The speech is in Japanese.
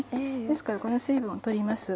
ですからこの水分を取ります。